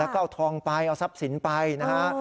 แล้วก็เอาทองไปเอาทรัพย์สินไปนะฮะ